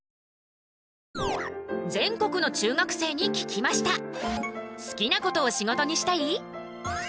全国の中学生に聞きました！